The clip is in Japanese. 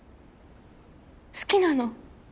好きなの。